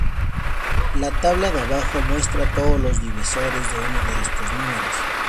La tabla de abajo muestra todos los divisores de uno de estos números.